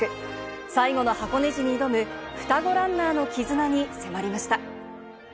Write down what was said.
最後の箱根路に挑む双子ランナーの絆に迫りました。